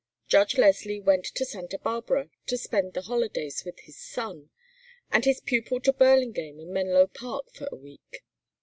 Judge Leslie went to Santa Barbara to spend the holidays with his son, and his pupil to Burlingame and Menlo Park for a week.